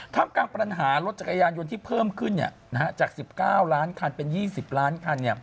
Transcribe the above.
กลางปัญหารถจักรยานยนต์ที่เพิ่มขึ้นจาก๑๙ล้านคันเป็น๒๐ล้านคัน